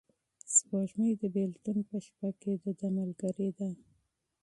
سپوږمۍ د بېلتون په شپه کې د ده ملګرې ده.